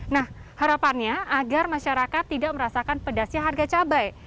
nah harapannya agar masyarakat tidak merasakan pedasnya harga cabai